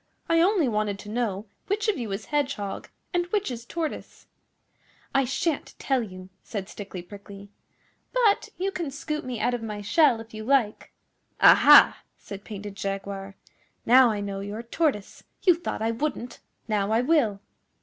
I only wanted to know which of you is Hedgehog and which is Tortoise.' 'I shan't tell you,' said Stickly Prickly, 'but you can scoop me out of my shell if you like.' 'Aha!' said Painted Jaguar. 'Now I know you're Tortoise. You thought I wouldn't! Now I will.